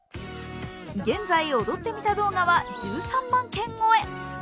現在、踊ってみた動画は１３万件超え。